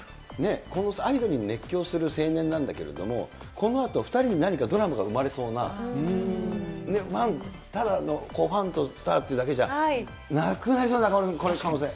アイドルに熱狂する青年なんだけど、このあと、２人に何かドラマが生まれそうな、ただのファンとスターっていうだけじゃなくなりそうな可能性。